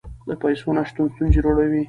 د پیسو نشتون ستونزې جوړوي.